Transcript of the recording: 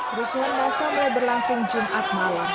kerusuhan masa mulai berlangsung jumat malam